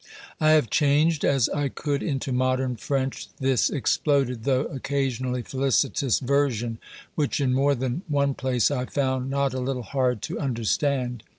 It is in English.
96 OBERMANN I have changed as I could into modern French this exploded though occasionally felicitous version, which in more than one place I found not a little hard to under stand.